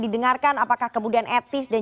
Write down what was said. didengarkan apakah kemudian etis dan